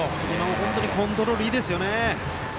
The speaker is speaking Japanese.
本当にコントロールいいですよ。